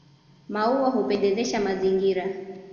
Maua hupendezesha mazingira